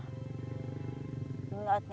sekarang nggak dikandung sama suami